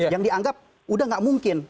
yang dianggap sudah tidak mungkin